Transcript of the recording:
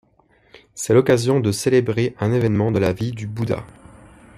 C'est l’occasion de célébrer un évènement de la vie du Bouddha.